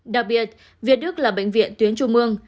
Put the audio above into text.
đặc biệt việt đức là bệnh viện tuyến trung ương